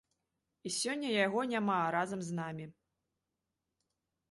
І сёння яго няма разам з намі.